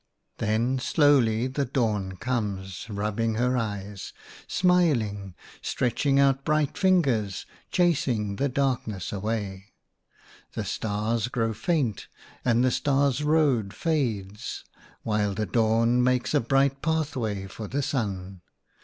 11 Then slowly the Dawn comes, rubbing her eyes, smiling, stretching out bright fingers, chasing the darkness away. The Stars grow faint and the Stars' Road fades, while the THE STARS 69 Dawn makes a bright pathway for the Sun.